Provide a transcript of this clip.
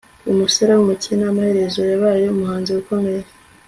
Umusore wumukene amaherezo yabaye umuhanzi ukomeye